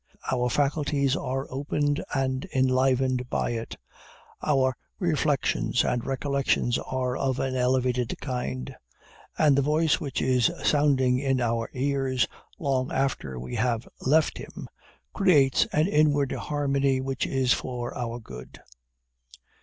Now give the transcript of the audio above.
Our faculties are opened and enlivened by it; our reflections and recollections are of an elevated kind; and the voice which is sounding in our ears, long after we have left him, creates an inward harmony which is for our good.